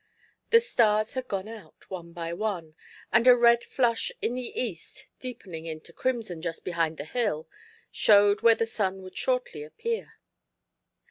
The stars had gone out, one by one, and a red flush in the east, deepening into crimson just behind the hill, showed where the sun would shortly appear.